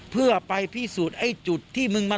เพื่อไปพิสูจน์ไอ้จุดที่มึงมา